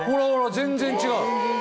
全然違う。